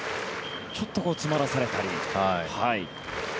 ちょっと詰まらされたり。